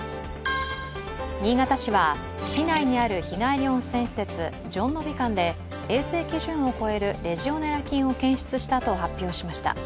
新潟市は市内にある日帰り温泉施設じょんのび館で衛生基準を超えるレジオネラ菌を検出したと発表しました。